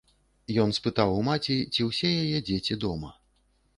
Ён спытаў у маці, ці ўсе яе дзеці дома.